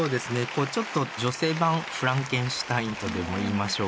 こうちょっと女性版フランケンシュタインとでもいいましょうか。